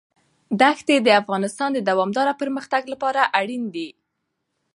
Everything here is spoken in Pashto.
دښتې د افغانستان د دوامداره پرمختګ لپاره اړین دي.